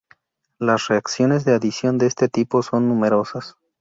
Las reacciones de adición de este tipo son numerosas.